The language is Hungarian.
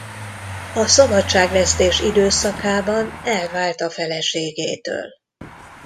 A szabadságvesztés időszakában elvált a feleségétől.